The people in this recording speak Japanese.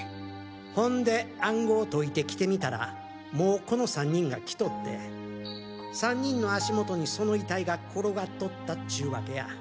ほんで暗号を解いて来てみたらもうこの３人が来とって３人の足元にその遺体が転がっとったっちゅうワケや。